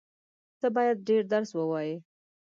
ته بايد ډېر درس ووایې.